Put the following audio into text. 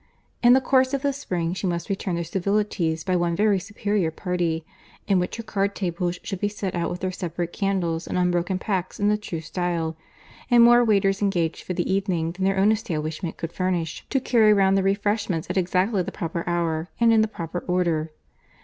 In the course of the spring she must return their civilities by one very superior party—in which her card tables should be set out with their separate candles and unbroken packs in the true style—and more waiters engaged for the evening than their own establishment could furnish, to carry round the refreshments at exactly the proper hour, and in the proper order.